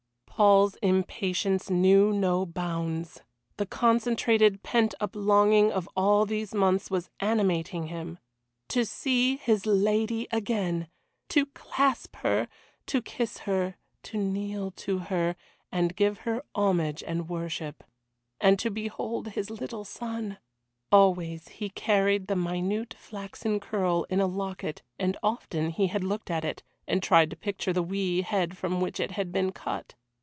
Paul's impatience knew no bounds. The concentrated pent up longing of all these months was animating him. To see his lady again! To clasp her! To kiss her to kneel to her and give her homage and worship. And to behold his little son. Always he carried the minute flaxen curl in a locket, and often he had looked at it, and tried to picture the wee head from which it had been cut.